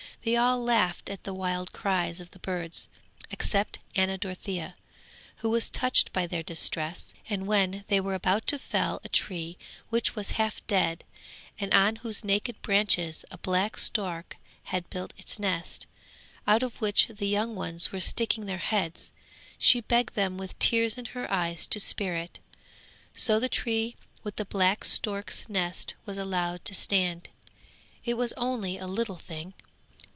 They all laughed at the wild cries of the birds, except Anna Dorothea, who was touched by their distress, and when they were about to fell a tree which was half dead, and on whose naked branches a black stork had built its nest, out of which the young ones were sticking their heads, she begged them with tears in her eyes to spare it. So the tree with the black stork's nest was allowed to stand. It was only a little thing.